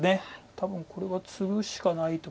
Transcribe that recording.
多分これはツグしかないと。